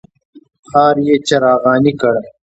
ښار یې څراغاني کړ.